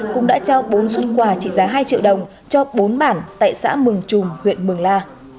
cũng đã trao bốn xuất quà trị giá hai triệu đồng cho bốn bản tại xã mường trùm huyện mường la